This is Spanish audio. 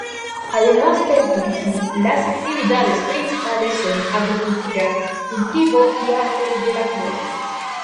Además del turismo, las actividades principales son agricultura, cultivo y artes de la flor.